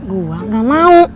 gue gak mau